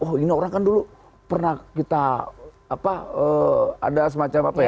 oh ini orang kan dulu pernah kita apa ada semacam apa ya